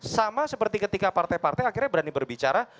sama seperti ketika partai partai akhirnya berani berbicara